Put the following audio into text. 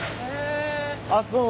あっそう。